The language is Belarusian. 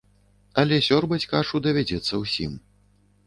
Але сёрбаць кашу давядзецца ўсім.